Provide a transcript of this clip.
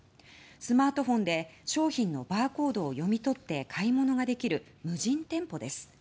スマートフォンで商品のバーコードを読み取って買い物ができる無人店舗です。